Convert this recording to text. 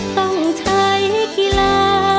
ต้องใช้กีฬา